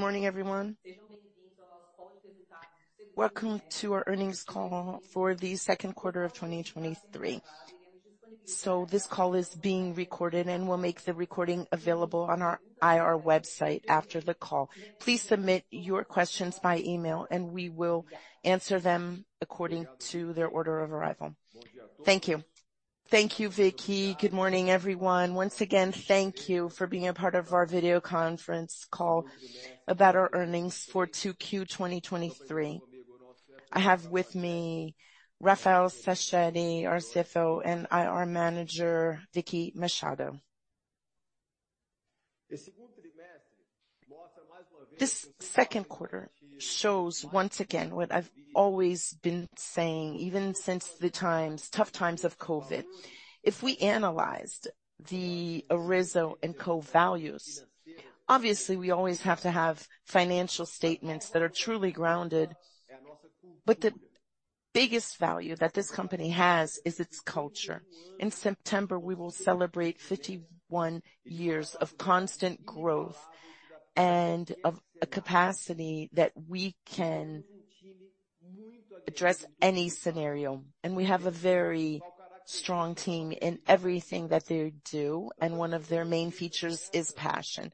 Good morning, everyone. Welcome to our Earnings Call for the Second Quarter of 2023. This call is being recorded, and we'll make the recording available on our IR website after the call. Please submit your questions by email, and we will answer them according to their order of arrival. Thank you. Thank you, Vicky. Good morning, everyone. Once again, thank you for being a part of our video conference call about our earnings for 2Q 2023. I have with me Rafael Sachete, our CFO, and IR manager, Vicky Machado. This second quarter shows once again, what I've always been saying, even since the times, tough times of COVID. If we analyzed the Arezzo&Co values, obviously, we always have to have financial statements that are truly grounded. The biggest value that this company has is its culture. In September, we will celebrate 51 years of constant growth and of a capacity that we can address any scenario. We have a very strong team in everything that they do, and one of their main features is passion.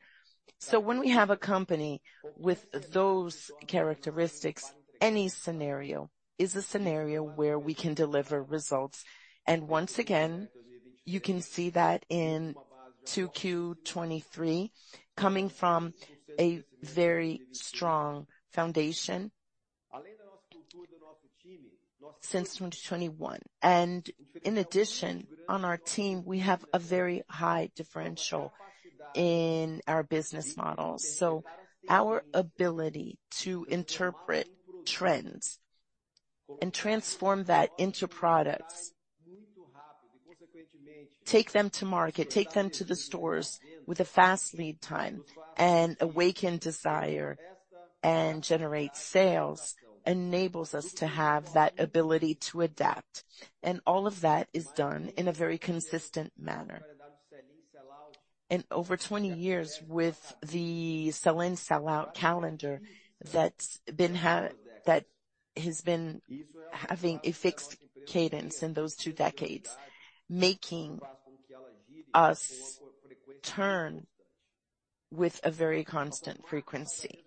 When we have a company with those characteristics, any scenario is a scenario where we can deliver results. Once again, you can see that in 2Q 2023, coming from a very strong foundation since 2021. In addition, on our team, we have a very high differential in our business models. Our ability to interpret trends and transform that into products, take them to market, take them to the stores with a fast lead time and awaken desire and generate sales, enables us to have that ability to adapt, and all of that is done in a very consistent manner. Over 20 years with the sell-in, sell-out calendar that's been that has been having a fixed cadence in those 2 decades, making us turn with a very constant frequency.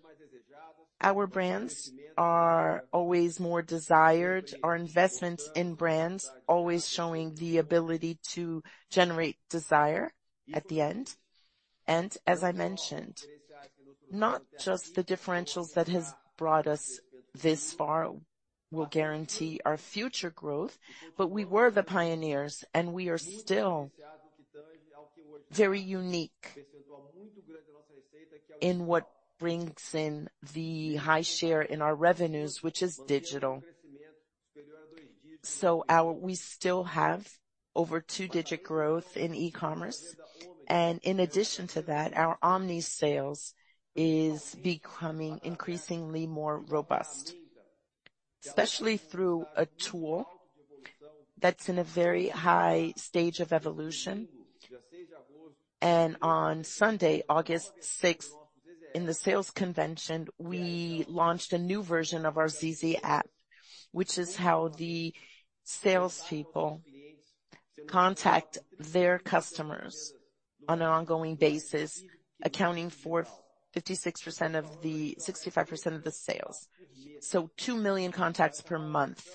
Our brands are always more desired, our investments in brands always showing the ability to generate desire at the end. As I mentioned, not just the differentials that has brought us this far will guarantee our future growth, but we were the pioneers, and we are still very unique in what brings in the high share in our revenues, which is digital. We still have over 2-digit growth in e-commerce, and in addition to that, our omni sales is becoming increasingly more robust, especially through a tool that's in a very high stage of evolution. On Sunday, August 6th, in the sales convention, we launched a new version of our ZZ App, which is how the salespeople contact their customers on an ongoing basis, accounting for 56% of the 65% of the sales. 2 million contacts per month.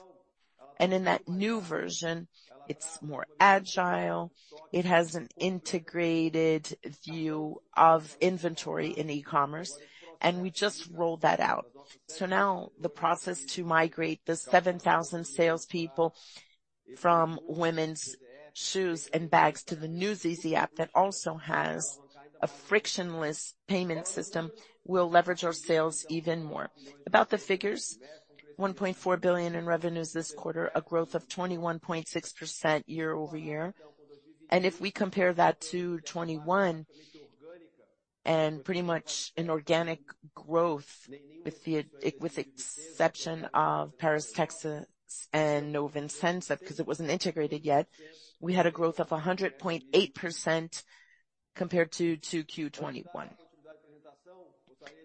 In that new version, it's more agile, it has an integrated view of inventory in e-commerce, and we just rolled that out. Now the process to migrate the 7,000 salespeople from women's shoes and bags to the new ZZ App, that also has a frictionless payment system, will leverage our sales even more. About the figures, 1.4 billion in revenues this quarter, a growth of 21.6% year-over-year. If we compare that to 2021 and pretty much an organic growth, with the exception of Paris Texas and no Vicenza, because it wasn't integrated yet, we had a growth of 100.8% compared to Q2 2021.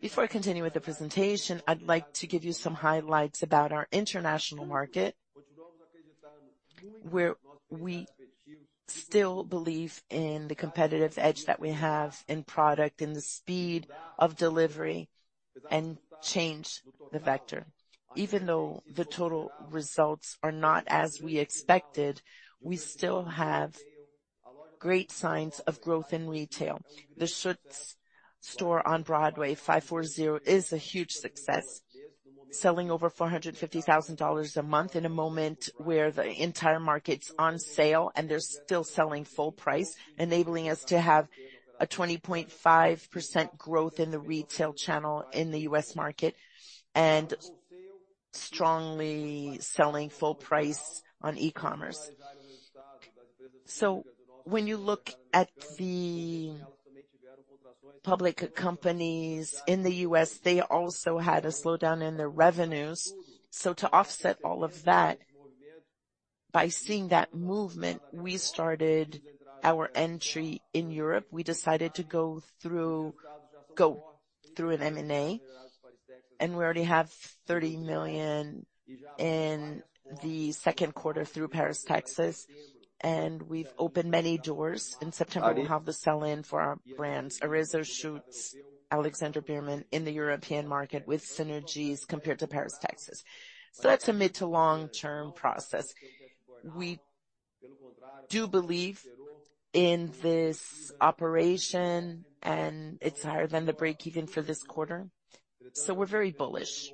Before I continue with the presentation, I'd like to give you some highlights about our international market, where we still believe in the competitive edge that we have in product and the speed of delivery and change the vector. Even though the total results are not as we expected, we still have great signs of growth in retail. The Schutz store on Broadway, 540, is a huge success, selling over $450,000 a month in a moment where the entire market's on sale and they're still selling full price, enabling us to have a 20.5% growth in the retail channel in the U.S. market and strongly selling full price on e-commerce. When you look at the public companies in the U.S., they also had a slowdown in their revenues. So to offset all of that, by seeing that movement, we started our entry in Europe. We decided to go through an M&A, and we already have 30 million in the second quarter through Paris Texas, and we've opened many doors. In September, we have the sell-in for our brands, Arezzo, Schutz, Alexandre Birman, in the European market with synergies compared to Paris Texas. That's a mid to long-term process. We do believe in this operation, and it's higher than the break-even for this quarter. We're very bullish,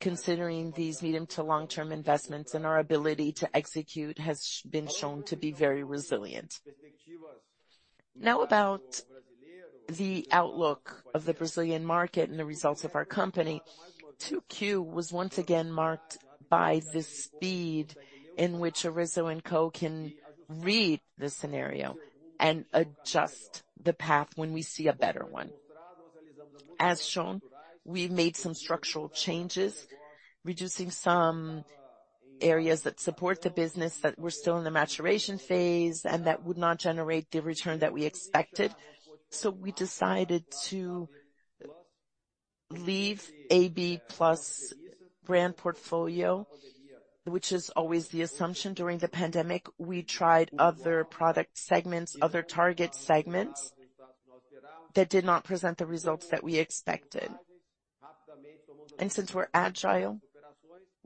considering these medium to long-term investments, and our ability to execute has been shown to be very resilient. About the outlook of the Brazilian market and the results of our company. 2Q was once again marked by the speed in which Arezzo&Co can read the scenario and adjust the path when we see a better one. As shown, we made some structural changes, reducing some areas that support the business, that were still in the maturation phase, and that would not generate the return that we expected. We decided to leave AB Plus brand portfolio, which is always the assumption. During the pandemic, we tried other product segments, other target segments, that did not present the results that we expected. Since we're agile,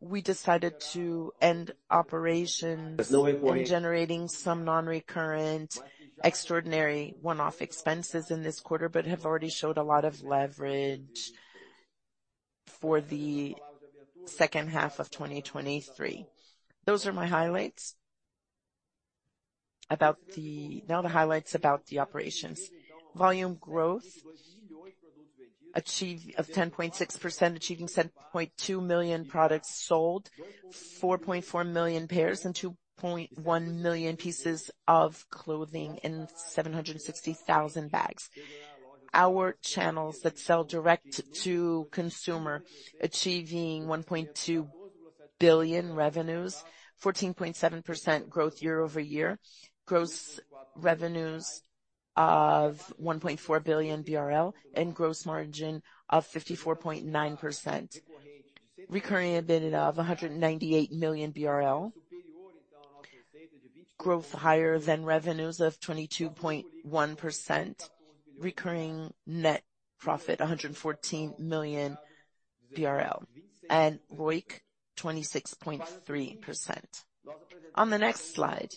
we decided to end operations and generating some non-recurrent, extraordinary one-off expenses in this quarter, but have already showed a lot of leverage for the second half of 2023. Those are my highlights. Now the highlights about the operations. Volume growth, of 10.6%, achieving 7.2 million products sold, 4.4 million pairs, and 2.1 million pieces of clothing, and 760,000 bags. Our channels that sell direct to consumer, achieving 1.2 billion revenues, 14.7% growth year-over-year, gross revenues of 1.4 billion BRL, and gross margin of 54.9%. Recurring EBITDA of 198 million BRL. Growth higher than revenues of 22.1%. Recurring net profit, 114 million, and ROIC, 26.3%. On the next slide,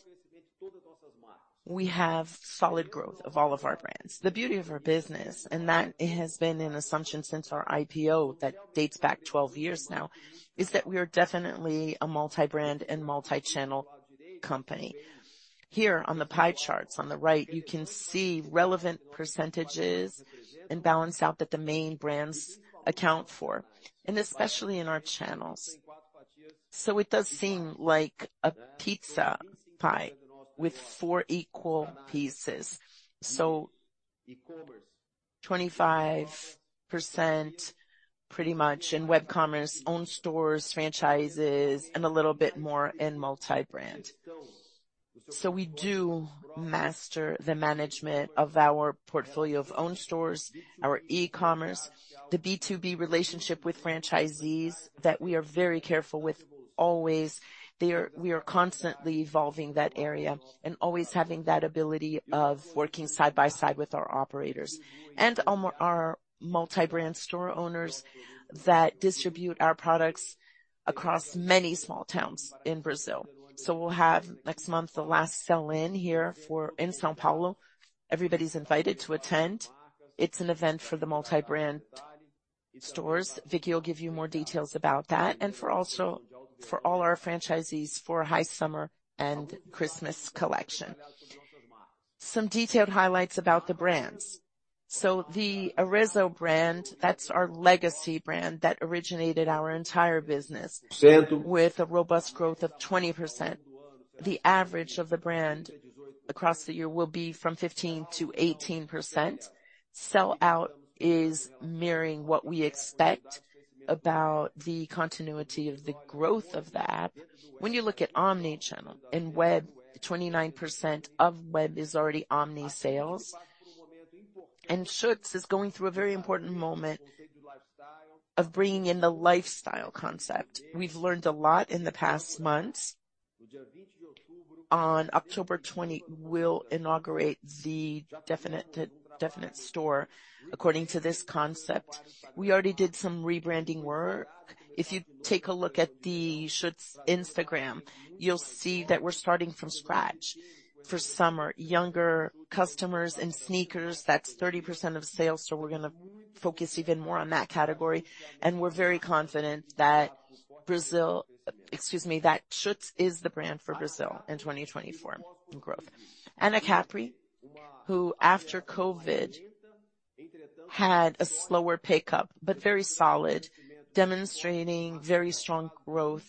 we have solid growth of all of our brands. The beauty of our business, and that it has been an assumption since our IPO, that dates back 12 years now, is that we are definitely a multi-brand and multi-channel company. Here, on the pie charts on the right, you can see relevant percentages and balance out that the main brands account for, and especially in our channels. It does seem like a pizza pie with four equal pieces. 25%, pretty much in web commerce, owned stores, franchises, and a little bit more in multi-brand. We do master the management of our portfolio of own stores, our e-commerce, the B2B relationship with franchisees, that we are very careful with always. We are constantly evolving that area and always having that ability of working side by side with our operators. Our multi-brand store owners that distribute our products across many small towns in Brazil. We'll have, next month, the last sell-in here in São Paulo. Everybody's invited to attend. It's an event for the multi-brand stores. Vicky will give you more details about that, and for also, for all our franchisees, for high summer and Christmas collection. Some detailed highlights about the brands. The Arezzo brand, that's our legacy brand that originated our entire business, with a robust growth of 20%. The average of the brand across the year will be from 15%-18%. Sell-out is mirroring what we expect about the continuity of the growth of that. When you look at omni-channel and web, 29% of web is already omni sales. Schutz is going through a very important moment of bringing in the lifestyle concept. We've learned a lot in the past months. On October 20, we'll inaugurate the definite store, according to this concept. We already did some rebranding work. If you take a look at the Schutz Instagram, you'll see that we're starting from scratch for summer. Younger customers and sneakers, that's 30% of sales, so we're gonna focus even more on that category, and we're very confident that Schutz is the brand for Brazil in 2024 in growth. Anacapri, who after COVID, had a slower pickup, but very solid, demonstrating very strong growth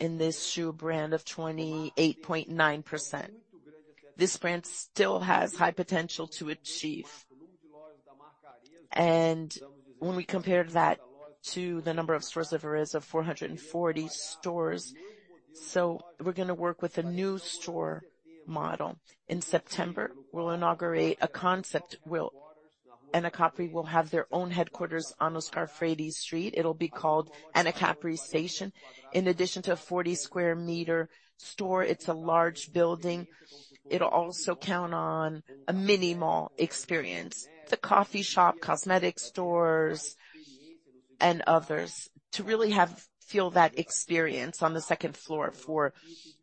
in this shoe brand of 28.9%. This brand still has high potential to achieve and when we compared that to the number of stores of Arezzo, of 440 stores. We're gonna work with a new store model. In September, we'll inaugurate a concept will, and Anacapri will have their own headquarters on Oscar Freire Street. It'll be called Anacapri Station. In addition to a 40 sqm store, it's a large building. It'll also count on a mini mall experience, the coffee shop, cosmetic stores, and others, to really have-- feel that experience on the second floor for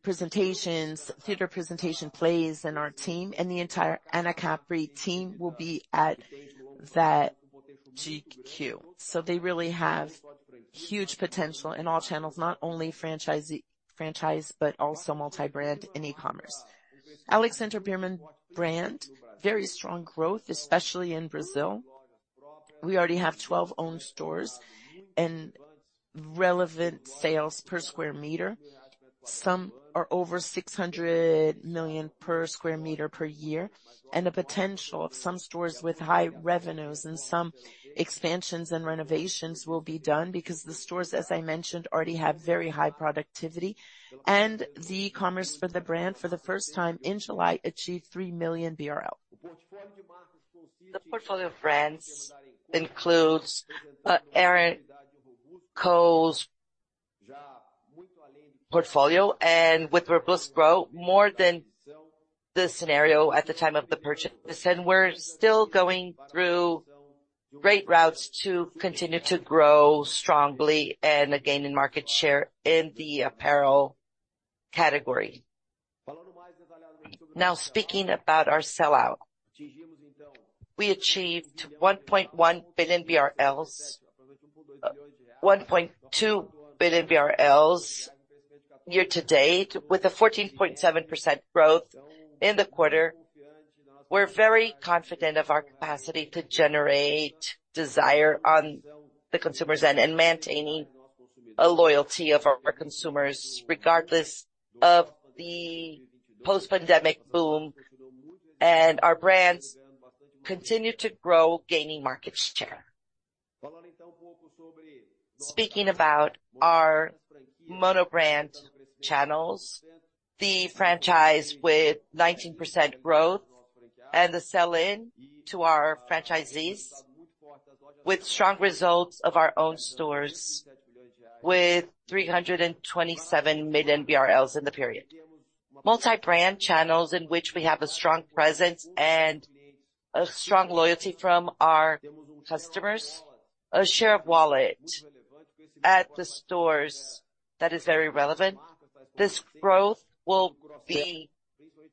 presentations, theater presentation, plays, and our team, and the entire Anacapri team will be at that HQ. They really have huge potential in all channels, not only franchise, franchise, but also multi-brand and e-commerce. Alexandre Birman brand, very strong growth, especially in Brazil. We already have 12 owned stores and relevant sales per square meter. Some are over 600 million/sqm per year, and the potential of some stores with high revenues and some expansions and renovations will be done because the stores, as I mentioned, already have very high productivity. The e-commerce for the brand, for the first time in July, achieved 3 million BRL. The portfolio of brands includes AR&CO portfolio, with robust growth, more than the scenario at the time of the purchase, and we're still going through great routes to continue to grow strongly and a gain in market share in the apparel category. Now, speaking about our sellout, we achieved 1.2 billion BRL year to date, with a 14.7% growth in the quarter. We're very confident of our capacity to generate desire on the consumer's end, and maintaining a loyalty of our consumers, regardless of the post-pandemic boom, and our brands continue to grow, gaining market share. Speaking about our monobrand channels, the franchise with 19% growth and the sell-in to our franchisees, with strong results of our own stores, with 327 million BRL in the period. Multi-brand channels in which we have a strong presence and a strong loyalty from our customers, a share of wallet at the stores that is very relevant. This growth will be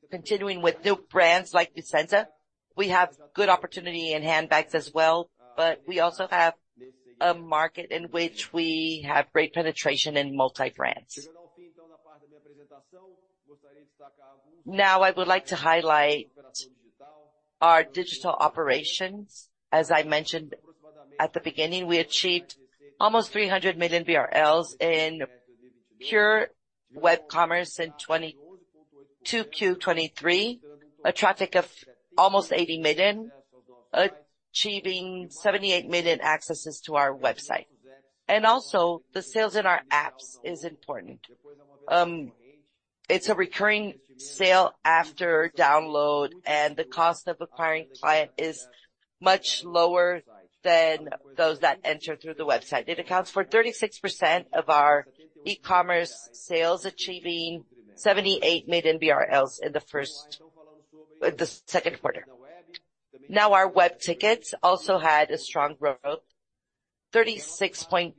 continuing with new brands like Vicenza. We have good opportunity in handbags as well, but we also have a market in which we have great penetration in multi-brands. Now, I would like to highlight our digital operations. As I mentioned at the beginning, we achieved almost 300 million BRL in pure web commerce in Q2 2023, a traffic of almost 80 million, achieving 78 million accesses to our website. Also the sales in our apps is important. It's a recurring sale after download, and the cost of acquiring client is much lower than those that enter through the website. It accounts for 36% of our e-commerce sales, achieving 78 million BRL in the second quarter. Our web tickets also had a strong growth, 36.2%.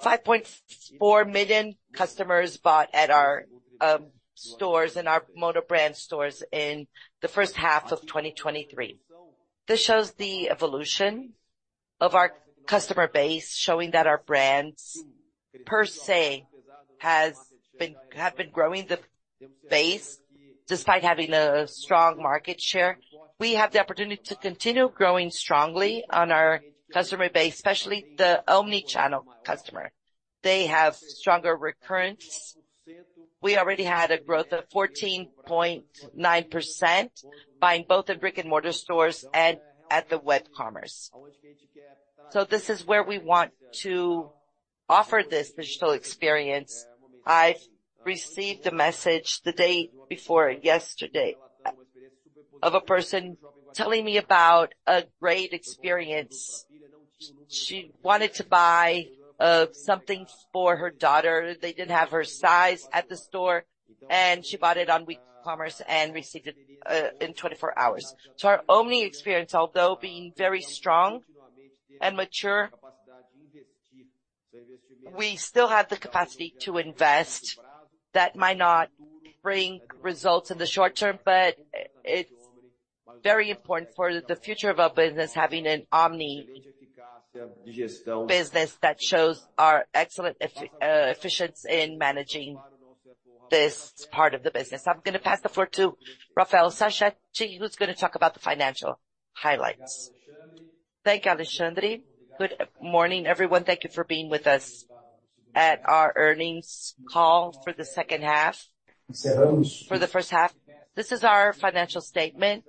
5.4 million customers bought at our stores, in our mono-brand stores in the first half of 2023. This shows the evolution of our customer base, showing that our brands, per se, have been growing the base, despite having a strong market share. We have the opportunity to continue growing strongly on our customer base, especially the omni-channel customer. They have stronger recurrence. We already had a growth of 14.9%, buying both in brick-and-mortar stores and at the web commerce. This is where we want to offer this digital experience. I received a message the day before yesterday, of a person telling me about a great experience. She wanted to buy, something for her daughter. They didn't have her size at the store, and she bought it on web commerce and received it, in 24 hours. Our omni experience, although being very strong and mature, we still have the capacity to invest. That might not bring results in the short term, but it's very important for the future of our business, having an omni business that shows our excellent efficiency in managing this part of the business. I'm gonna pass the floor to Rafael Sachete, who's gonna talk about the financial highlights. Thank you, Alexandre. Good morning, everyone. Thank you for being with us at our earnings call for the second half. For the first half, this is our financial statement.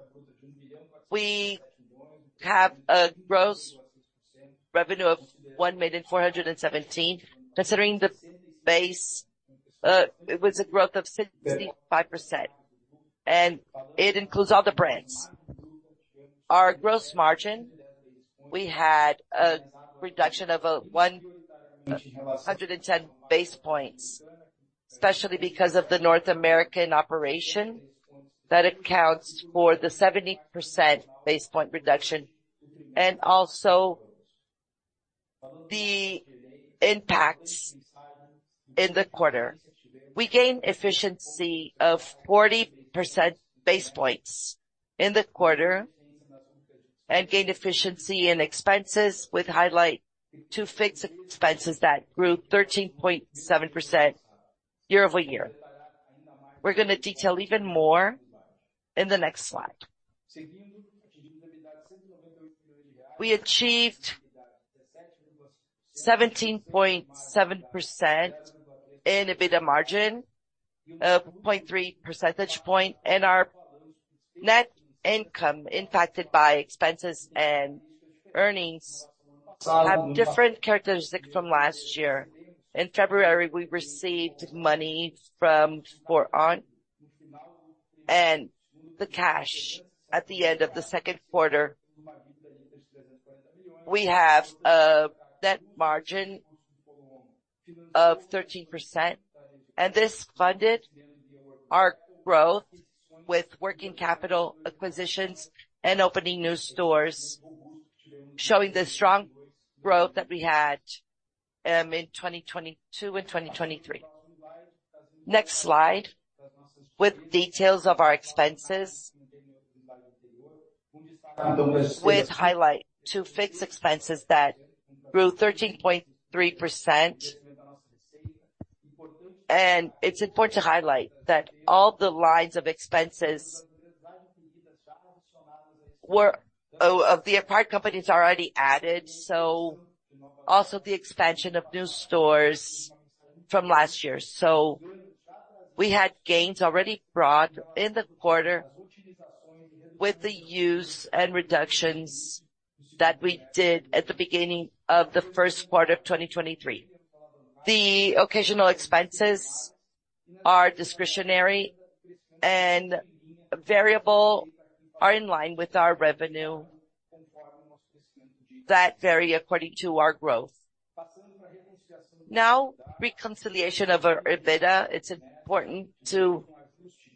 We have a gross revenue of 1,417 million, considering the base, it was a growth of 65%, it includes all the brands. Our gross margin, we had a reduction of 110 basis points, especially because of the North American operation, that accounts for the 70 basis point reduction, also the impacts in the quarter. We gained efficiency of 40 basis points in the quarter. Gained efficiency in expenses, with highlight to fixed expenses that grew 13.7% year-over-year. We're gonna detail even more in the next slide. We achieved 17.7% in EBITDA margin, 0.3 percentage point. Our net income impacted by expenses and earnings have different characteristics from last year. In February, we received money from Foro and the cash at the end of the second quarter. We have a net margin of 13%. This funded our growth with working capital acquisitions and opening new stores, showing the strong growth that we had in 2022 and 2023. Next slide, with details of our expenses, with highlight to fixed expenses that grew 13.3%. It's important to highlight that all the lines of expenses were of the apart companies already added, so also the expansion of new stores from last year. We had gains already brought in the quarter with the use and reductions that we did at the beginning of the first quarter of 2023. The occasional expenses are discretionary, and variable are in line with our revenue, that vary according to our growth. Reconciliation of our EBITDA. It's important to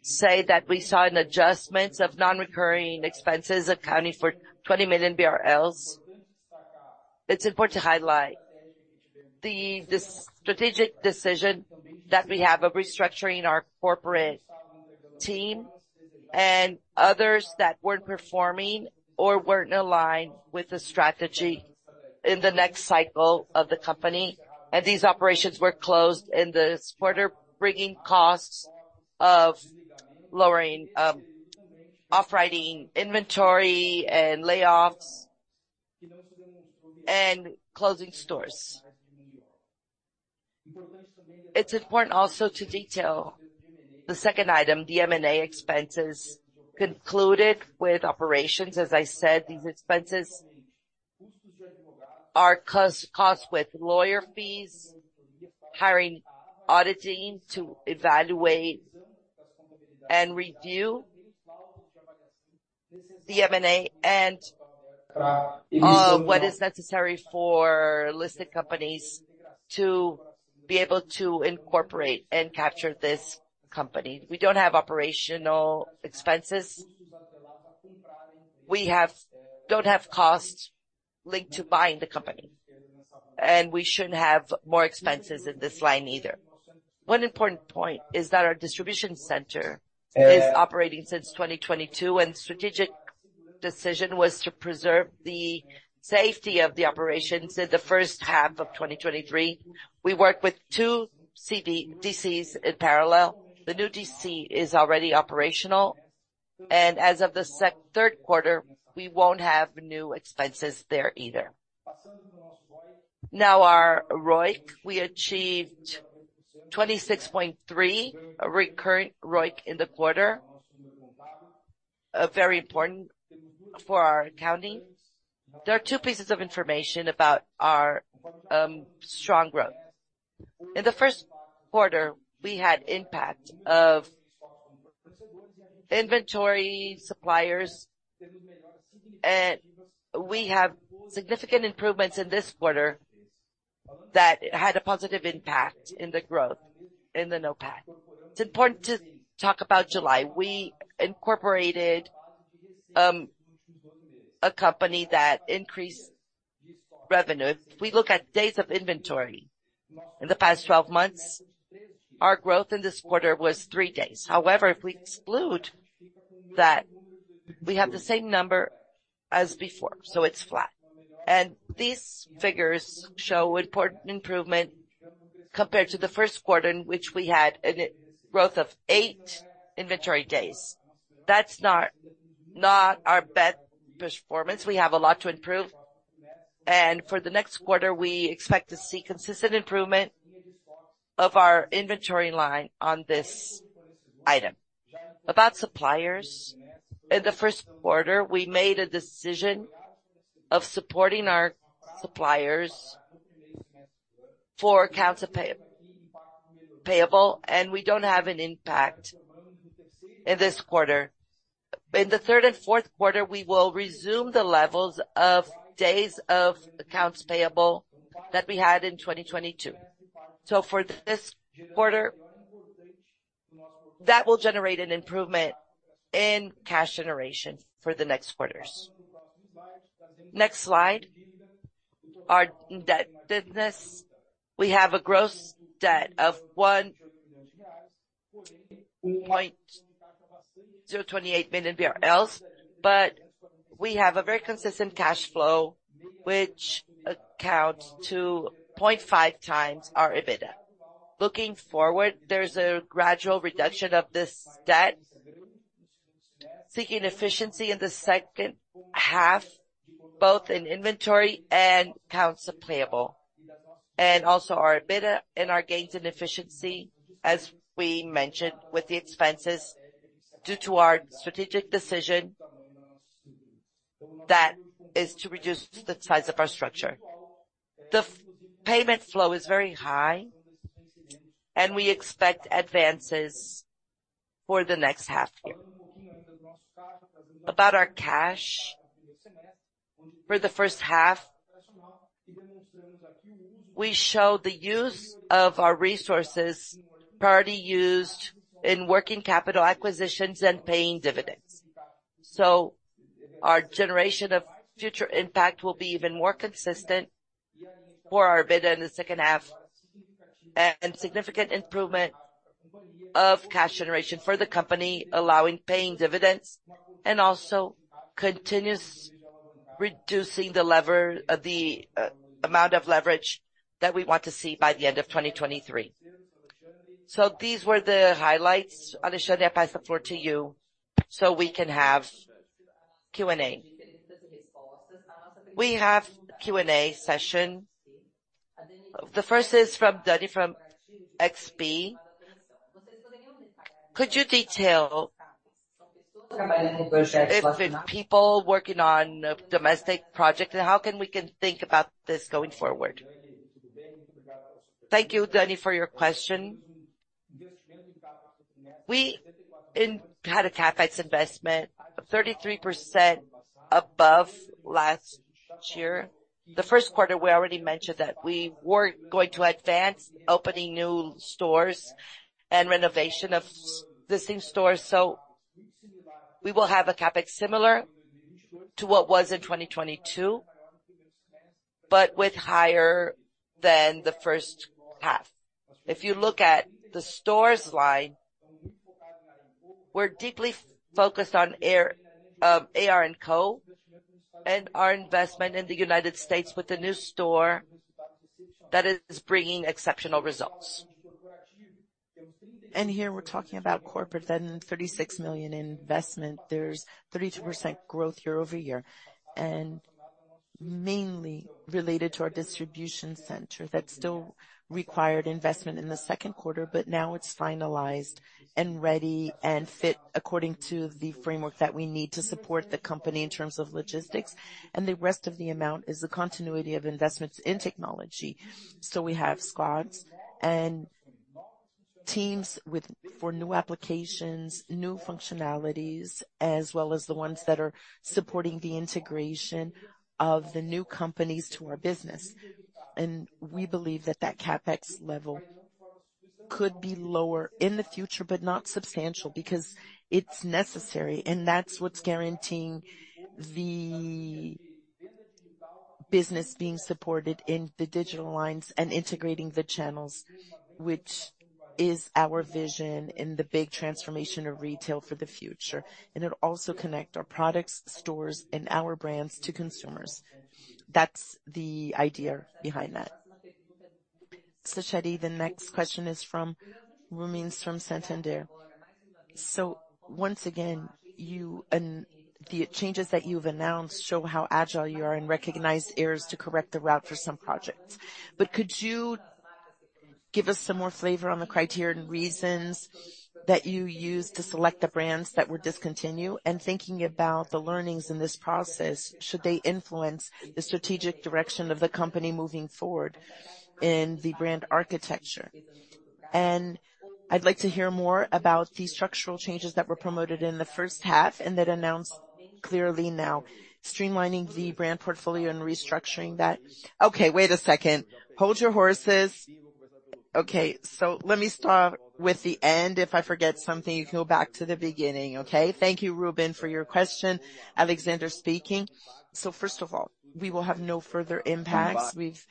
say that we saw an adjustment of non-recurring expenses accounting for 20 million BRL. It's important to highlight the strategic decision that we have of restructuring our corporate team and others that weren't performing or weren't aligned with the strategy in the next cycle of the company. These operations were closed in this quarter, bringing costs of lowering, off-writing inventory and layoffs, and closing stores. It's important also to detail the second item, the M&A expenses concluded with operations. As I said, these expenses are cost with lawyer fees, hiring audit teams to evaluate and review the M&A and what is necessary for listed companies to be able to incorporate and capture this company. We don't have operational expenses. We don't have costs linked to buying the company, and we shouldn't have more expenses in this line either. One important point is that our distribution center is operating since 2022, and strategic decision was to preserve the safety of the operations in the first half of 2023. We work with two DCs in parallel. The new DC is already operational, as of the third quarter, we won't have new expenses there either. Now, our ROIC, we achieved 26.3%, a recurrent ROIC in the quarter, very important for our accounting. There are two pieces of information about our strong growth. In the first quarter, we had impact of inventory suppliers, and we have significant improvements in this quarter that had a positive impact in the growth in the NOPAT. It's important to talk about July. We incorporated a company that increased revenue. If we look at days of inventory, in the past 12 months, our growth in this quarter was 3 days. However, if we exclude that, we have the same number as before, so it's flat. These figures show important improvement compared to the first quarter in which we had growth of 8 inventory days. That's not our best performance. We have a lot to improve. For the next quarter, we expect to see consistent improvement of our inventory line on this item. About suppliers, in the first quarter, we made a decision of supporting our suppliers for accounts payable. We don't have an impact in this quarter. In the third and fourth quarter, we will resume the levels of days of accounts payable that we had in 2022. For this quarter, that will generate an improvement in cash generation for the next quarters. Next slide. Our debt business. We have a gross debt of 1.028 million BRL. We have a very consistent cash flow, which accounts to 0.5x our EBITDA. Looking forward, there's a gradual reduction of this debt, seeking efficiency in the second half, both in inventory and accounts payable, also our EBITDA and our gains in efficiency, as we mentioned, with the expenses, due to our strategic decision, that is to reduce the size of our structure. The payment flow is very high, we expect advances for the next half year. About our cash, for the first half, we show the use of our resources already used in working capital acquisitions and paying dividends. Our generation of future impact will be even more consistent for our EBITDA in the second half, and significant improvement of cash generation for the company, allowing paying dividends and also continuous reducing the amount of leverage that we want to see by the end of 2023. These were the highlights. Alexandre, I pass the floor to you, so we can have Q&A. We have Q&A session. The first is from Danny, from XP. Could you detail if people working on a domestic project, how can we think about this going forward? Thank you, Danny, for your question. We had a CapEx investment of 33% above last year. The first quarter, we already mentioned that we were going to advance opening new stores and renovation of the same store, so we will have a CapEx similar to what was in 2022, but with higher than the first half. If you look at the stores line, we're deeply focused on AR&CO, and our investment in the United States with a new store that is bringing exceptional results. Here we're talking about corporate, then 36 million in investment. There's 32% growth year-over-year, and mainly related to our Distribution Center. That still required investment in the 2Q, but now it's finalized and ready, and fit according to the framework that we need to support the company in terms of logistics. The rest of the amount is the continuity of investments in technology. We have squads and teams for new applications, new functionalities, as well as the ones that are supporting the integration of the new companies to our business. We believe that that CapEx level could be lower in the future, but not substantial, because it's necessary, and that's what's guaranteeing the business being supported in the digital lines and integrating the channels, which is our vision in the big transformation of retail for the future. It'll also connect our products, stores, and our brands to consumers. That's the idea behind that. Sachete, the next question is from Ruben from Santander. Once again, you and the changes that you've announced show how agile you are in recognized areas to correct the route for some projects. Could you give us some more flavor on the criterion reasons that you used to select the brands that were discontinued, and thinking about the learnings in this process, should they influence the strategic direction of the company moving forward in the brand architecture? I'd like to hear more about the structural changes that were promoted in the first half and that announced clearly now, streamlining the brand portfolio and restructuring that. Okay, wait a second. Hold your horses. Okay, let me start with the end. If I forget something, you can go back to the beginning, okay? Thank you, Ruben, for your question. Alexandre speaking. First of all, we will have no further impacts. We've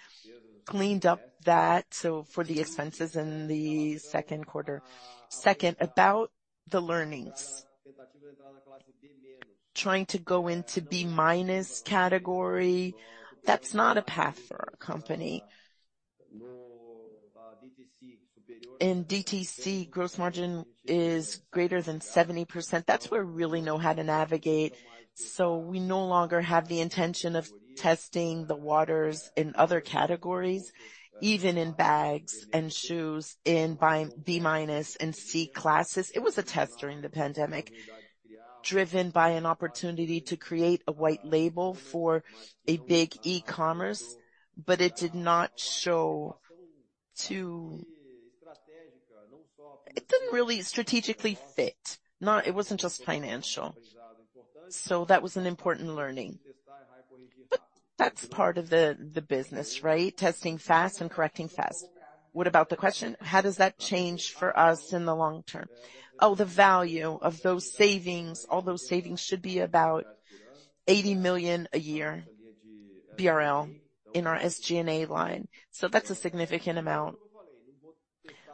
cleaned up that, so for the expenses in the second quarter. Second, about the learnings. Trying to go into B- category, that's not a path for our company. In DTC, gross margin is greater than 70%. That's where we really know how to navigate, we no longer have the intention of testing the waters in other categories, even in bags and shoes, in by B- and C classes. It was a test during the pandemic, driven by an opportunity to create a white label for a big e-commerce, but it didn't really strategically fit. It wasn't just financial. That was an important learning. That's part of the, the business, right? Testing fast and correcting fast. What about the question? How does that change for us in the long term? Oh, the value of those savings, all those savings should be about 80 million a year in our SG&A line. That's a significant amount.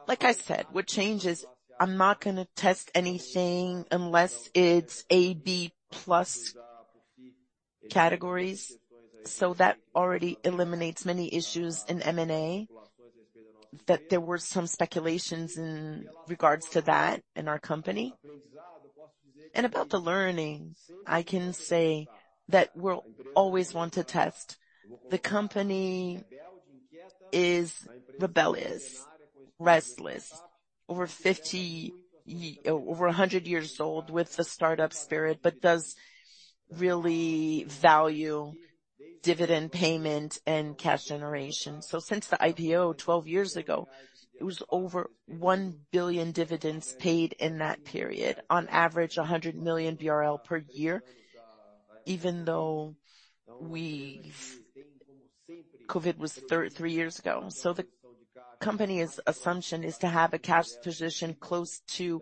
Like I said, what changes, I'm not gonna test anything unless it's AB Plus categories. That already eliminates many issues in M&A, that there were some speculations in regards to that in our company. About the learnings, I can say that we'll always want to test. The company is rebellious, restless, over 50 over 100 years old with the startup spirit, but does really value dividend payment and cash generation. Since the IPO, 12 years ago, it was over 1 billion dividends paid in that period. On average, 100 million BRL per year, even though COVID was 3 years ago. The company's assumption is to have a cash position close to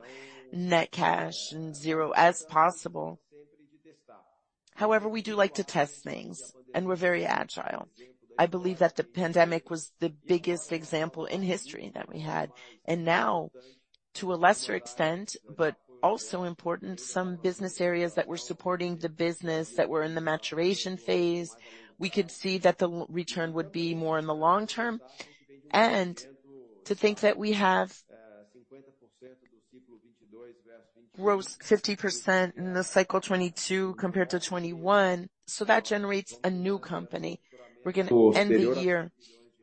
net cash and 0 as possible. However, we do like to test things, and we're very agile. I believe that the pandemic was the biggest example in history that we had. Now, to a lesser extent, but also important, some business areas that were supporting the business, that were in the maturation phase, we could see that the return would be more in the long term. To think that we have gross 50% in the cycle 2022 compared to 2021, that generates a new company. We're gonna end the year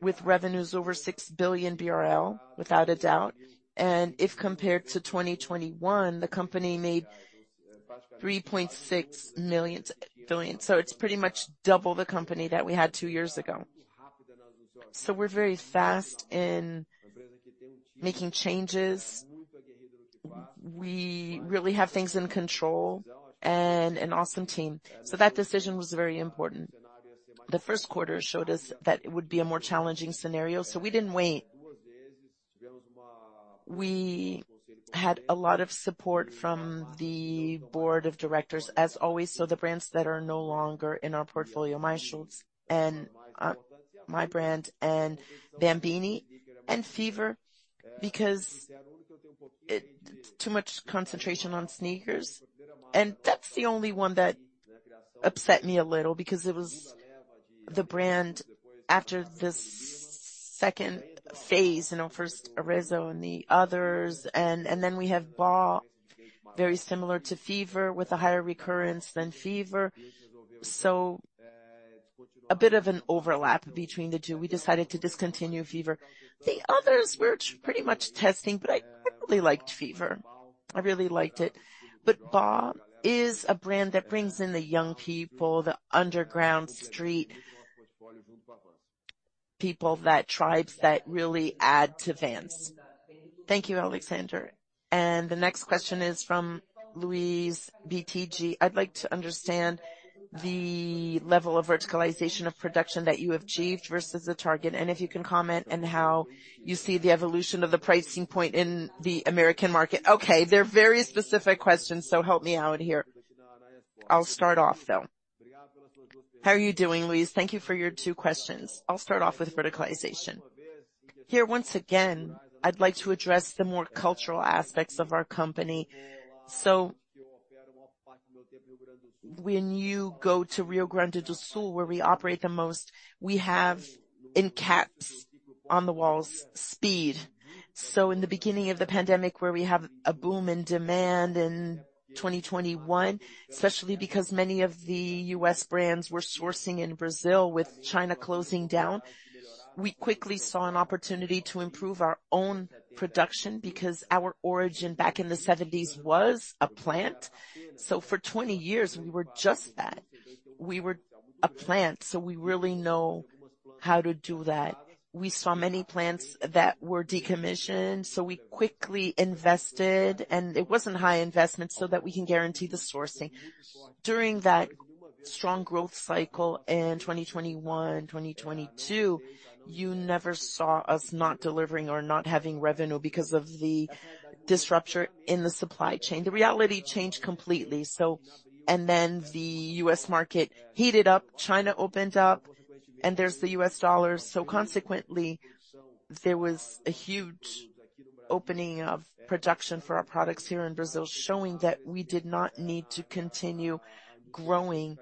with revenues over 6 billion BRL, without a doubt. If compared to 2021, the company made 3.6 billion. It's pretty much double the company that we had 2 years ago. We're very fast in making changes. We really have things in control and an awesome team. That decision was very important. The first quarter showed us that it would be a more challenging scenario. We didn't wait. We had a lot of support from the board of directors, as always. The brands that are no longer in our portfolio, My Shoes and my brand and Bambini and Fiever, because too much concentration on sneakers. That's the only one that upset me a little, because it was the brand after this second phase, you know, first Arezzo and the others, then we have BAW, very similar to Fiever, with a higher recurrence than Fiever. So a bit of an overlap between the two. We decided to discontinue Fiever. The others were pretty much testing, but I, I really liked Fiever. I really liked it. But BAW is a brand that brings in the young people, the underground street people, that tribes that really add to fans. Thank you, Alexandre. The next question is from Luiz, BTG. I'd like to understand the level of verticalization of production that you achieved versus the target, and if you can comment on how you see the evolution of the pricing point in the American market. Okay, they're very specific questions, so help me out here. I'll start off, though. How are you doing, Luiz? Thank you for your 2 questions. I'll start off with verticalization. Here, once again, I'd like to address the more cultural aspects of our company. When you go to Rio Grande do Sul, where we operate the most, we have in caps on the walls, speed. In the beginning of the pandemic, where we have a boom in demand in 2021, especially because many of the U.S. brands were sourcing in Brazil with China closing down, we quickly saw an opportunity to improve our own production because our origin back in the '70s was a plant. For 20 years, we were just that. We were a plant, so we really know how to do that. We saw many plants that were decommissioned, so we quickly invested, and it wasn't high investment, so that we can guarantee the sourcing. During that strong growth cycle in 2021, 2022, you never saw us not delivering or not having revenue because of the disruption in the supply chain. The reality changed completely. The U.S. market heated up, China opened up, and there's the U.S. dollar. Consequently, there was a huge opening of production for our products here in Brazil, showing that we did not need to continue growing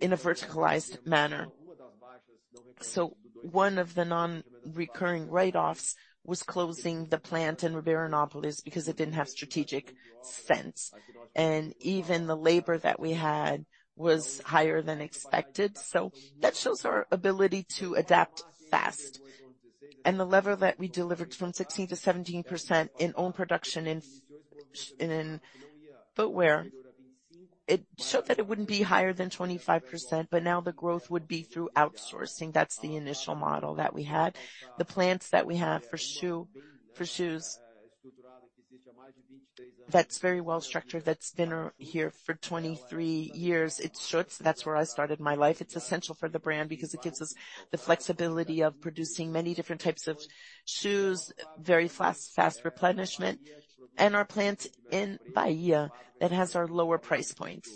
in a verticalized manner. One of the non-recurring write-offs was closing the plant in Veranópolis because it didn't have strategic sense, and even the labor that we had was higher than expected. That shows our ability to adapt fast. The level that we delivered from 16%-17% in own production in footwear, it showed that it wouldn't be higher than 25%, but now the growth would be through outsourcing. That's the initial model that we had. The plants that we have for shoe, for shoes, that's very well structured. That's been here for 23 years. It's Schutz, that's where I started my life. It's essential for the brand because it gives us the flexibility of producing many different types of shoes, very fast, fast replenishment, and our plants in Bahia, that has our lower price point.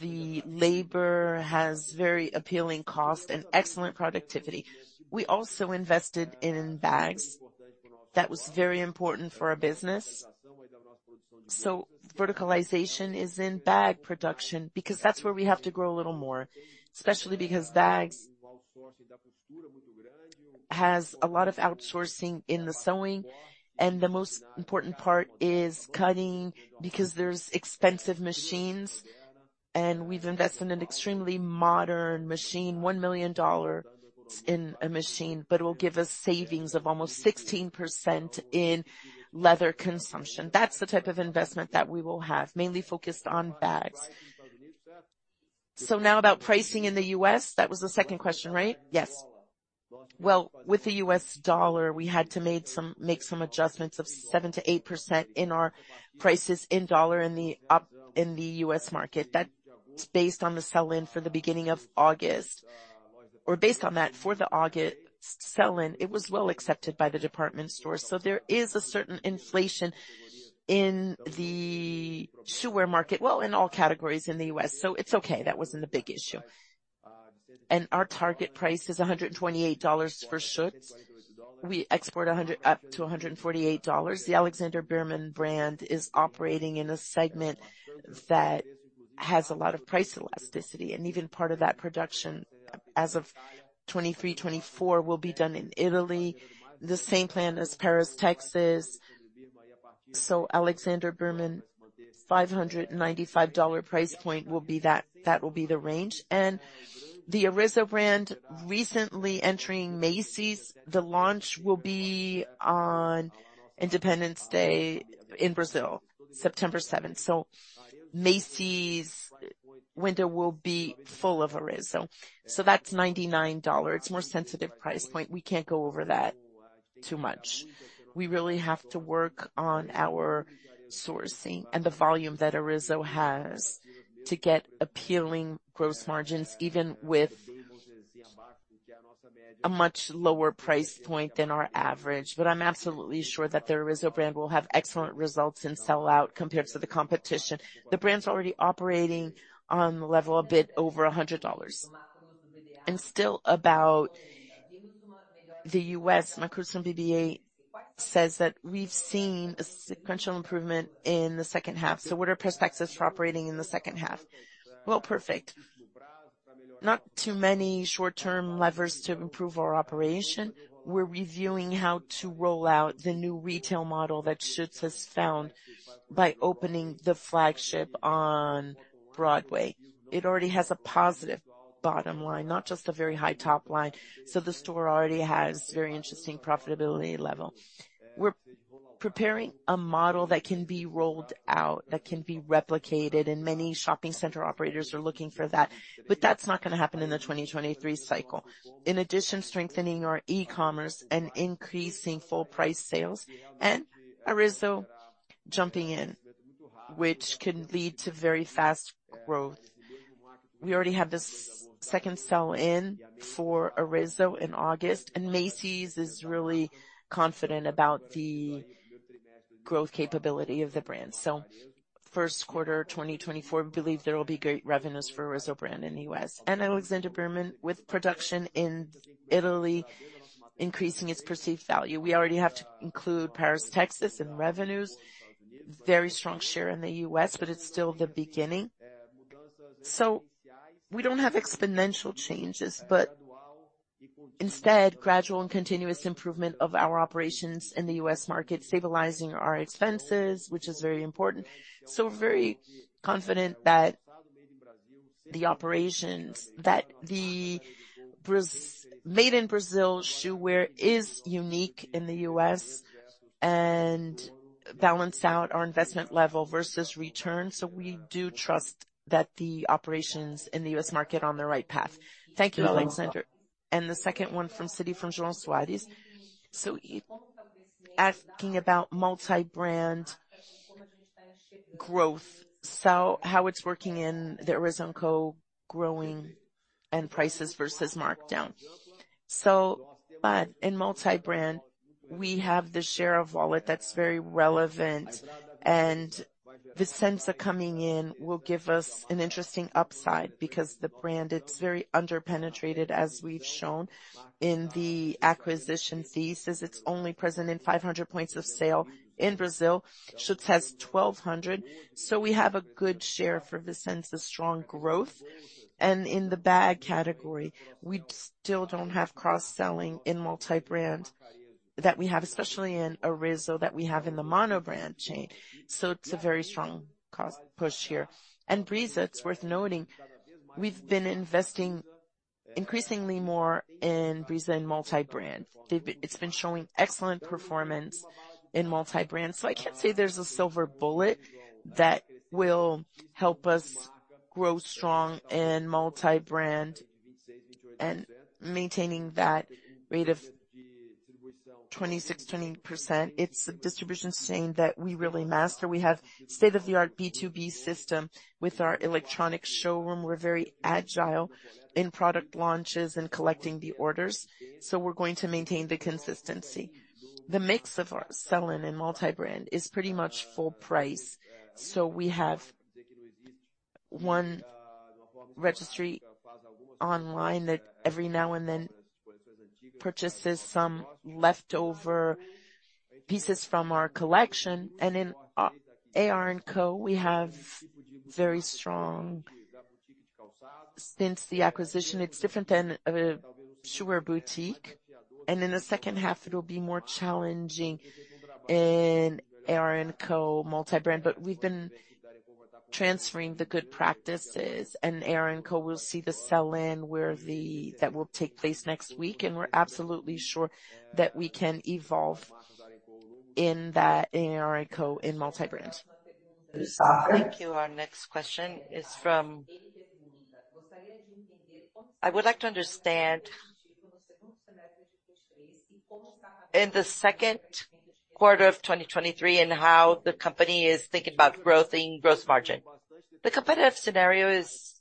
The labor has very appealing cost and excellent productivity. We also invested in bags. That was very important for our business. Verticalization is in bag production, because that's where we have to grow a little more, especially because bags has a lot of outsourcing in the sewing, and the most important part is cutting, because there's expensive machines, and we've invested in an extremely modern machine, $1 million in a machine, but it will give us savings of almost 16% in leather consumption. That's the type of investment that we will have, mainly focused on bags. Now about pricing in the U.S., that was the second question, right? Yes. Well, with the US dollar, we had to make some adjustments of 7%-8% in our prices in U.S. dollars in the U.S. market. That's based on the sell-in for the beginning of August, or based on that, for the August sell-in, it was well accepted by the department store. There is a certain inflation in the shoe wear market, well, in all categories in the U.S. It's okay. That wasn't a big issue. Our target price is $128 for Schutz. We export $100 up to $148. The Alexandre Birman brand is operating in a segment that has a lot of price elasticity, and even part of that production, as of 2023, 2024, will be done in Italy, the same plan as Paris Texas. Alexandre Birman, $595 price point will be that, that will be the range. The Arezzo brand, recently entering Macy's, the launch will be on Independence Day in Brazil, September 7. Macy's winter will be full of Arezzo. That's $99. It's more sensitive price point. We can't go over that too much. We really have to work on our sourcing and the volume that Arezzo has to get appealing gross margins, even with a much lower price point than our average. I'm absolutely sure that the Arezzo brand will have excellent results in sell-out compared to the competition. The brand's already operating on the level a bit over $100. Still about the U.S., Marcus from BBA says that we've seen a sequential improvement in the second half. What are prospects for operating in the second half? Well, perfect. Not too many short-term levers to improve our operation. We're reviewing how to roll out the new retail model that Schutz has found by opening the flagship on Broadway. It already has a positive bottom line, not just a very high top line. The store already has very interesting profitability level. We're preparing a model that can be rolled out, that can be replicated, and many shopping center operators are looking for that, but that's not gonna happen in the 2023 cycle. In addition, strengthening our e-commerce and increasing full price sales and Arezzo jumping in, which can lead to very fast growth. We already have this 2nd sell-in for Arezzo in August, and Macy's is really confident about the growth capability of the brand. 1st quarter, 2024, we believe there will be great revenues for Arezzo brand in the U.S. Alexandre Birman, with production in Italy, increasing its perceived value. We already have to include Paris, Texas, in revenues. Very strong share in the U.S., but it's still the beginning. We don't have exponential changes, but instead, gradual and continuous improvement of our operations in the U.S. market, stabilizing our expenses, which is very important. We're very confident that the operations that the made in Brazil shoe wear is unique in the U.S. and balance out our investment level versus return. We do trust that the operations in the U.S. market are on the right path. Thank you, Alexandre. The second one from Citi, from João Soares. Asking about multi-brand growth, how it's working in the Arezzo&Co growing and prices versus markdowns. In multi-brand, we have the share of wallet that's very relevant, and Vicenza coming in will give us an interesting upside because the brand, it's very under-penetrated, as we've shown in the acquisition thesis. It's only present in 500 points of sale in Brazil. Schutz has 1,200, we have a good share for Vicenza's strong growth. In the bag category, we still don't have cross-selling in multi-brand that we have, especially in Arezzo, that we have in the monobrand chain. It's a very strong cost push here. And Brizza, it's worth noting, we've been investing increasingly more in Brizza in multi-brand. It's been showing excellent performance in multi-brand. I can't say there's a silver bullet that will help us grow strong in multi-brand and maintaining that rate of 26%-28%. It's a distribution chain that we really master. We have state-of-the-art B2B system with our electronic showroom. We're very agile in product launches and collecting the orders, so we're going to maintain the consistency. The mix of our sell-in in multi-brand is pretty much full price. We have one registry online that every now and then purchases some leftover pieces from our collection, and in AR&CO, we have very strong since the acquisition. It's different than a shoe wear boutique. In the second half, it'll be more challenging in AR&CO multi-brand. We've been transferring the good practices, and AR&CO will see the sell-in, where that will take place next week, and we're absolutely sure that we can evolve in that AR&CO in multi-brand. Thank you. Our next question is from... I would like to understand in the second quarter of 2023 how the company is thinking about growing gross margin. The competitive scenario is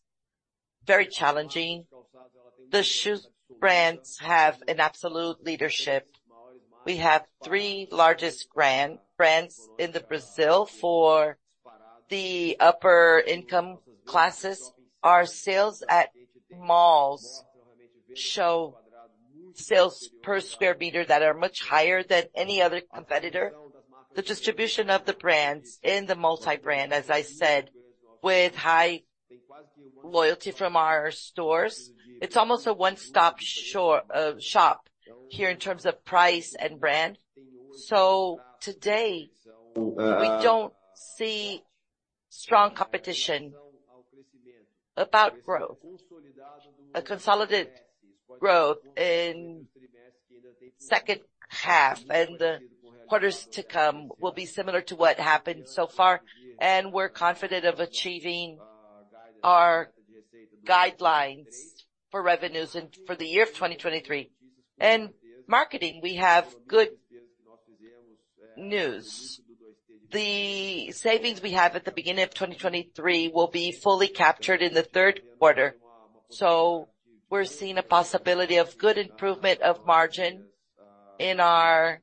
very challenging. The shoes brands have an absolute leadership. We have 3 largest brand, brands in the Brazil for the upper income classes. Our sales at malls show sales per square meter that are much higher than any other competitor. The distribution of the brands in the multi-brand, as I said, with high loyalty from our stores, it's almost a one-stop shop here in terms of price and brand. Today, we don't see strong competition. About growth, a consolidated growth in 2nd half, and the quarters to come will be similar to what happened so far, and we're confident of achieving our guidelines for revenues and for the year of 2023. Marketing, we have good news. The savings we have at the beginning of 2023 will be fully captured in the third quarter, We're seeing a possibility of good improvement of margin in our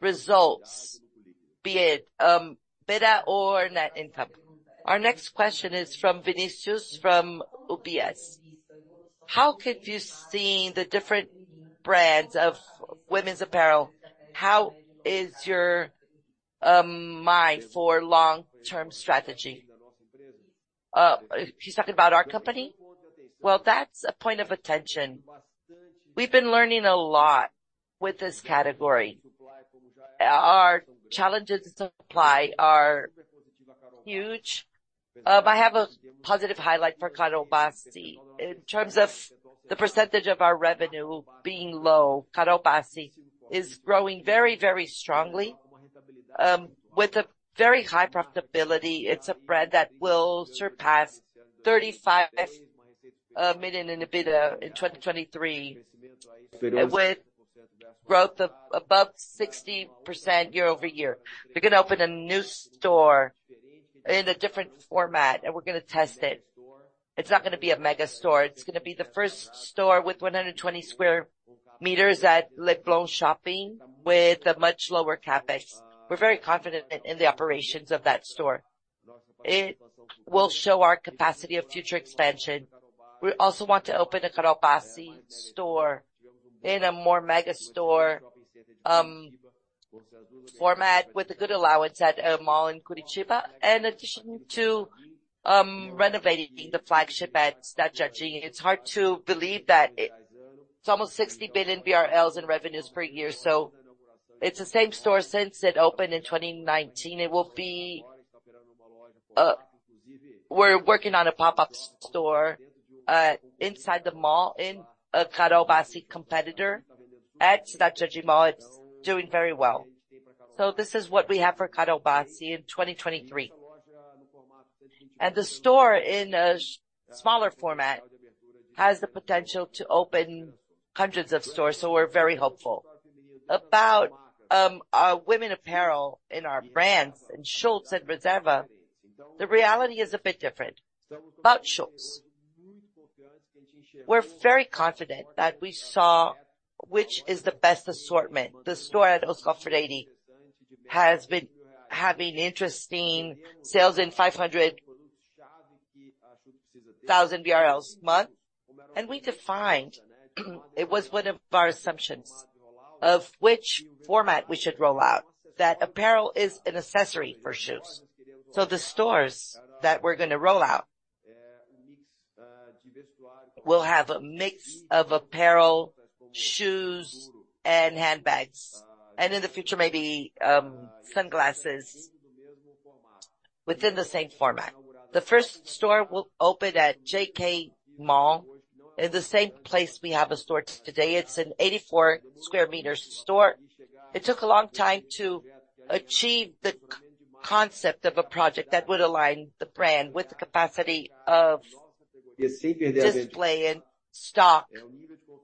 results, be it EBITDA or net income. Our next question is from Vinicius, from UBS. How could you see the different brands of women's apparel? How is your mind for long-term strategy? She's talking about our company? Well, that's a point of attention. We've been learning a lot with this category. Our challenges in supply are huge. I have a positive highlight for Carol Bassi. In terms of the percentage of our revenue being low, Carol Bassi is growing very, very strongly, with a very high profitability. It's a brand that will surpass 35 million in EBITDA in 2023, with growth of above 60% year-over-year. We're gonna open a new store in a different format, and we're gonna test it. It's not gonna be a mega store. It's gonna be the first store with 120sqm at Leblon Shopping, with a much lower CapEx. We're very confident in, in the operations of that store. It will show our capacity of future expansion. We also want to open a Carol Bassi store in a more mega store format, with a good allowance at a mall in Curitiba. In addition to renovating the flagship at Cidade Jardim. It's hard to believe that it's almost 60 billion BRL in revenues per year, so it's the same store since it opened in 2019. It will be... We're working on a pop-up store inside the mall, in a Carol Bassi competitor at Cidade Jardim Mall. It's doing very well. This is what we have for Carol Bassi in 2023. The store, in a smaller format, has the potential to open hundreds of stores, we're very hopeful. About our women apparel in our brands, in Schutz and Reserva, the reality is a bit different. About Schutz. We're very confident that we saw which is the best assortment. The store at Oscar Freire has been having interesting sales in 500,000 BRL month. We defined, it was one of our assumptions, of which format we should roll out, that apparel is an accessory for shoes. The stores that we're gonna roll out, will have a mix of apparel, shoes, and handbags, and in the future, maybe sunglasses within the same format. The first store will open at JK Mall, in the same place we have a store today. It's an 84sqm store. It took a long time to achieve the c-concept of a project that would align the brand with the capacity of displaying stock,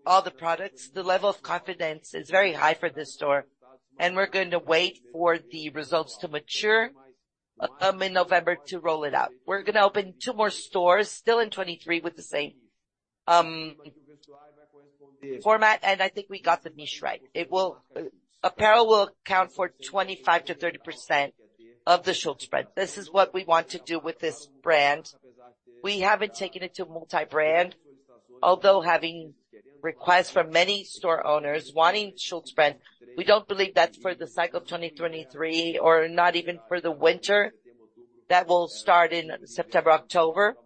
all the products. The level of confidence is very high for this store. We're going to wait for the results to mature in November, to roll it out. We're gonna open two more stores, still in 2023, with the same format. I think we got the niche right. It will apparel will account for 25%-30% of the Schutz brand. This is what we want to do with this brand. We haven't taken it to multi-brand, although having requests from many store owners wanting Schutz brand, we don't believe that's for the cycle of 2023 or not even for the winter. That will start in September, October,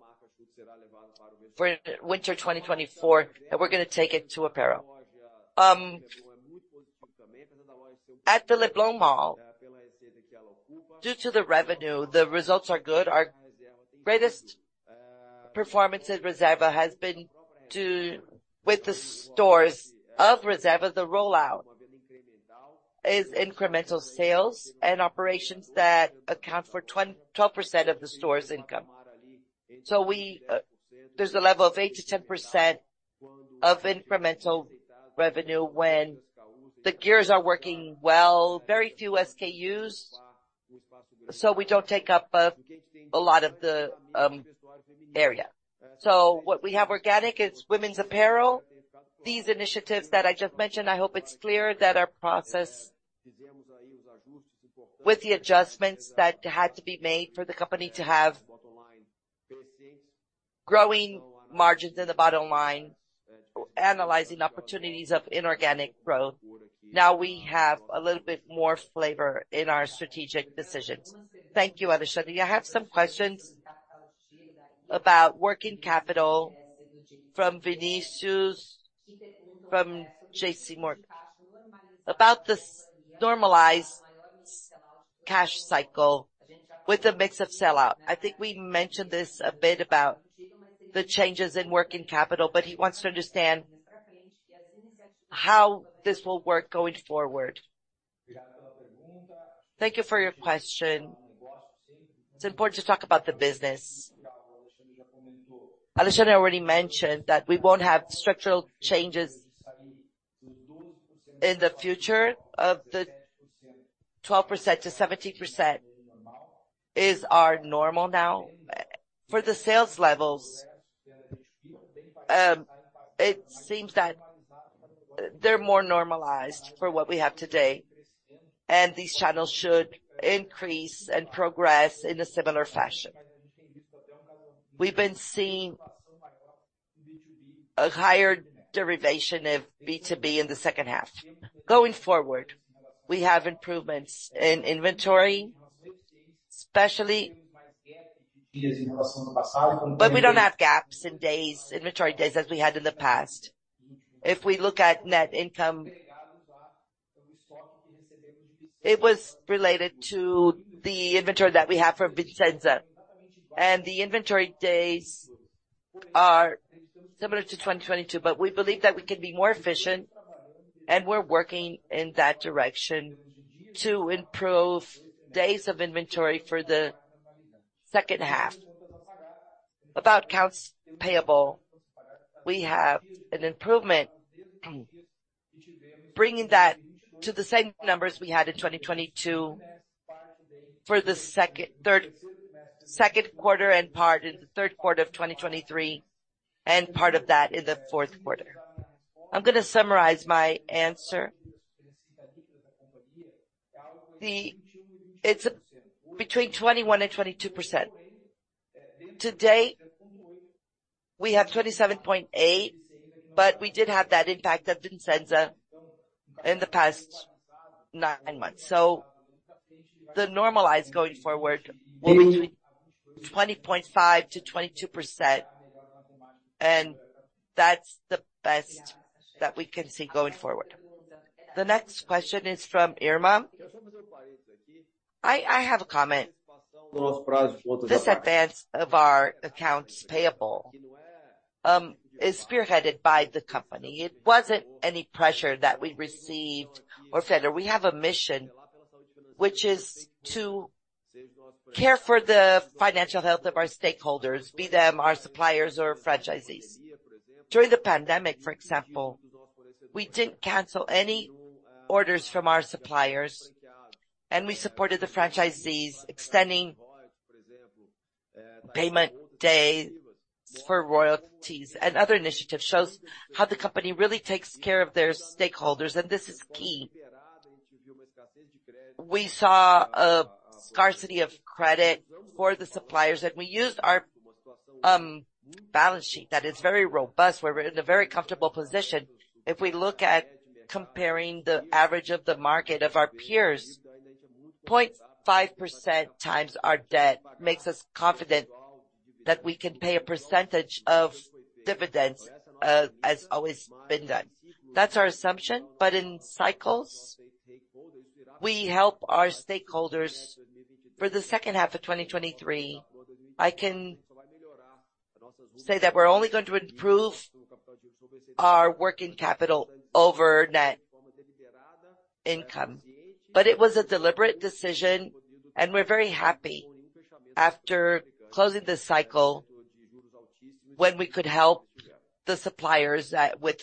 for winter 2024, we're gonna take it to apparel. At the Leblon Mall, due to the revenue, the results are good. Our greatest performance at Reserva has been with the stores of Reserva. The rollout is incremental sales and operations that account for 12% of the store's income. We there's a level of 8%-10% of incremental revenue when the gears are working well, very few SKUs, so we don't take up a lot of the area. What we have organic is women's apparel. These initiatives that I just mentioned, I hope it's clear that our process with the adjustments that had to be made for the company to have growing margins in the bottom line, analyzing opportunities of inorganic growth, now we have a little bit more flavor in our strategic decisions. Thank you, Alexandre. I have some questions about working capital from Vinicius, from JPMorgan. About this normalized cash cycle with a mix of sellout. I think we mentioned this a bit about the changes in working capital. He wants to understand how this will work going forward. Thank you for your question. It's important to talk about the business. Alexandre already mentioned that we won't have structural changes in the future. Of the 12%-17% is our normal now. For the sales levels, it seems that they're more normalized for what we have today, and these channels should increase and progress in a similar fashion. We've been seeing a higher derivation of B2B in the second half. Going forward, we have improvements in inventory, but we don't have gaps in days, inventory days, as we had in the past. If we look at net income, it was related to the inventory that we have from Vicenza, and the inventory days are similar to 2022, but we believe that we can be more efficient, and we're working in that direction to improve days of inventory for the second half. About accounts payable, we have an improvement, bringing that to the same numbers we had in 2022 for the 2nd quarter and part of the 3rd quarter of 2023, and part of that in the 4th quarter. I'm gonna summarize my answer. It's between 21% and 22%. Today, we have 27.8%, but we did have that impact of Vicenza in the past 9 months. The normalized going forward, will be between 20.5%-22%, and that's the best that we can see going forward. The next question is from Irma. I have a comment. This advance of our accounts payable, is spearheaded by the company. It wasn't any pressure that we received or felt. We have a mission, which is to care for the financial health of our stakeholders, be them, our suppliers or franchisees. During the pandemic, for example, we didn't cancel any orders from our suppliers. We supported the franchisees, extending payment day for royalties and other initiatives shows how the company really takes care of their stakeholders. This is key. We saw a scarcity of credit for the suppliers. We used our balance sheet that is very robust, we're in a very comfortable position. If we look at comparing the average of the market of our peers, 0.5% times our debt makes us confident that we can pay a percentage of dividends, as always been done. That's our assumption. But in cycles, we help our stakeholders. For the second half of 2023, I can say that we're only going to improve our working capital over net income. It was a deliberate decision, and we're very happy after closing the cycle, when we could help the suppliers that with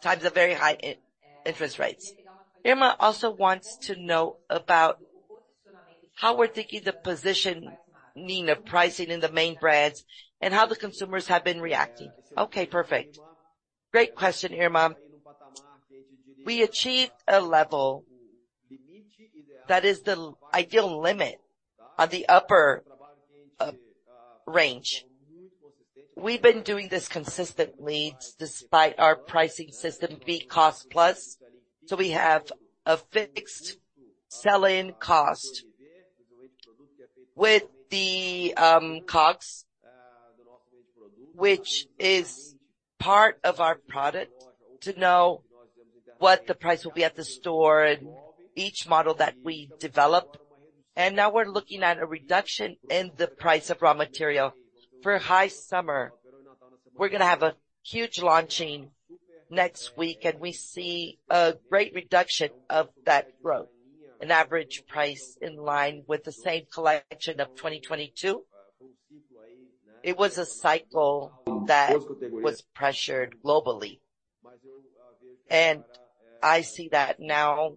times of very high interest rates. Irma also wants to know about how we're taking the positioning of pricing in the main brands and how the consumers have been reacting. Okay, perfect. Great question, Irma. We achieved a level that is the ideal limit on the upper range. We've been doing this consistently despite our pricing system being cost plus, so we have a fixed sell-in cost. With the COGS, which is part of our product, to know what the price will be at the store and each model that we develop, and now we're looking at a reduction in the price of raw material. For high summer, we're gonna have a huge launching next week, we see a great reduction of that growth, an average price in line with the same collection of 2022. It was a cycle that was pressured globally. I see that now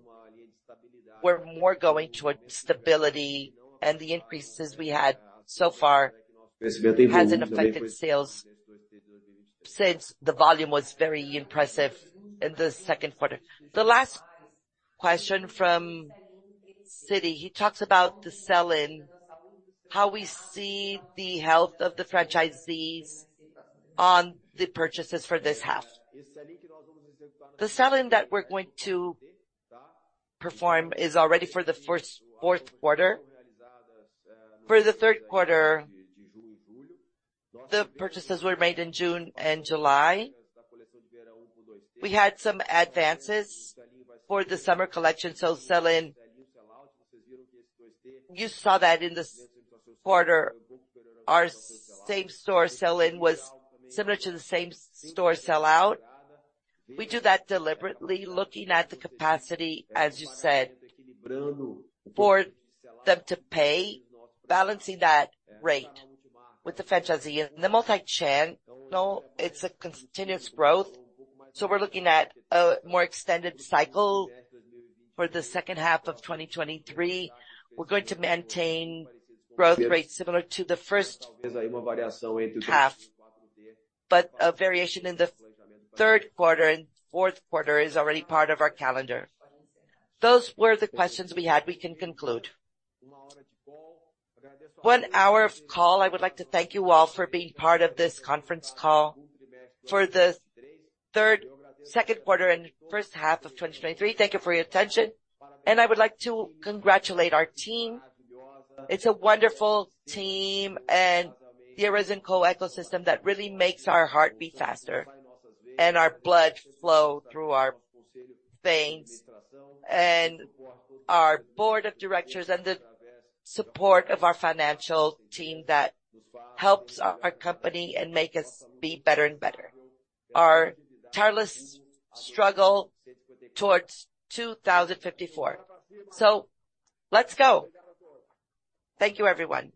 we're more going towards stability, and the increases we had so far hasn't affected sales since the volume was very impressive in the second quarter. The last question from Citi, he talks about the Sell-in, how we see the health of the franchisees on the purchases for this half. The Sell-in that we're going to perform is already for the first fourth quarter. For the third quarter, the purchases were made in June and July. We had some advances for the summer collection, Sell-in. You saw that in this quarter, our same store Sell-in was similar to the same store Sell-out. We do that deliberately, looking at the capacity, as you said, for them to pay, balancing that rate with the franchisee. The multi-channel, it's a continuous growth, so we're looking at a more extended cycle for the second half of 2023. We're going to maintain growth rates similar to the first half, but a variation in the third quarter and fourth quarter is already part of our calendar. Those were the questions we had. We can conclude. 1 hour of call. I would like to thank you all for being part of this conference call for the third, second quarter and first half of 2023. Thank you for your attention, and I would like to congratulate our team. It's a wonderful team and the Arezzo&Co ecosystem that really makes our heart beat faster and our blood flow through our veins, and our Board of Directors, and the support of our financial team that helps our, our company and make us be better and better. Our tireless struggle towards 2054. Let's go. Thank you, everyone.